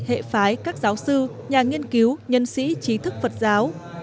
hệ phái các giáo sư nhà nghiên cứu nhân sĩ trí thức phật giáo